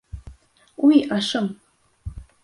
Уй, ашым!